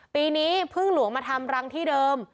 ปีนี้พึ่งหลวงมาทำรังที่เดิม